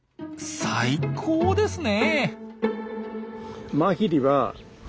最高ですね！